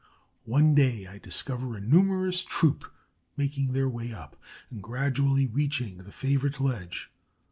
One day I discover a numerous troop making their way up and gradually reaching the favorite ledge.